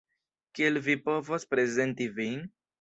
Kiel vi povos prezenti vin?